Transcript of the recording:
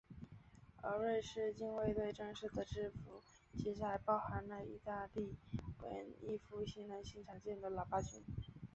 而瑞士近卫队正式的制服其实还包含了义大利文艺复兴男性常见的喇叭裙。